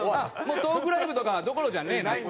もうトークライブとかどころじゃねえなと。